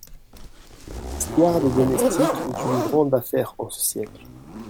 L'histoire des domestiques est une grande affaire en ce siècle.